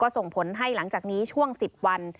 ส่งผลให้หลังจากนี้ช่วง๑๐วัน